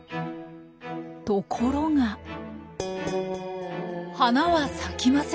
ところが花は咲きませんでした。